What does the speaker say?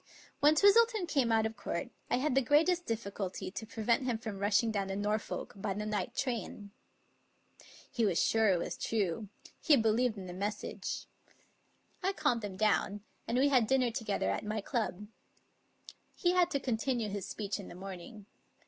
When Twistleton came out of court, I had the great est difficulty to prevent him from rushing down to Nor folk by the night train. He was sure it was true; he be 301 English Mystery Stories lieved in the message. I calmed him down, and we had dinner together at my club. He had to continue his speech in the morning.